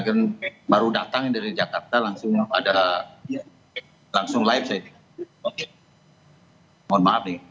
karena baru datang dari jakarta langsung ada live saya